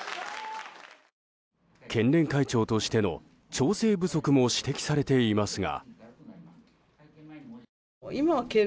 県連会長としての調整不足も指摘されていますが。